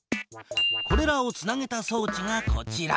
これらをつなげたそうちがこちら。